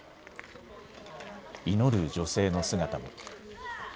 祈る女性の姿も。